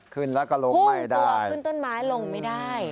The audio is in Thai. ขึ้นแล้วก็ลงไม่ได้อุ้งตัวขึ้นต้นไม้ลงไม่ได้คุณแล้วก็ลงไม่ได้